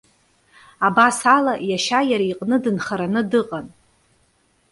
Абас ала, иашьа иара иҟны дынхараны дыҟан.